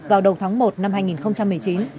vào đầu tháng một năm hai nghìn một mươi chín